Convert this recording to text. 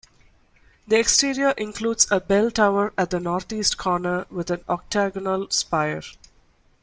The exterior includes a bell tower at the northeast corner with an octagonal spire.